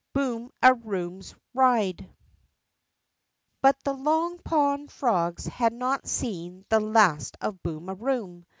BOOM A ROOM^S RIDE B ut the Long Pond frogs had not seen the last of Boom a Eoom.